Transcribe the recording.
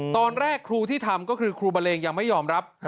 ตอนแรกครูที่ทำก็คือครูบะเลงยังไม่ยอมรับ